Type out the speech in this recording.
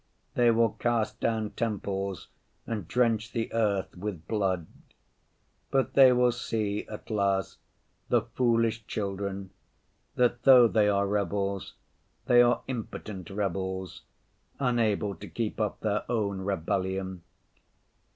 They will cast down temples and drench the earth with blood. But they will see at last, the foolish children, that, though they are rebels, they are impotent rebels, unable to keep up their own rebellion.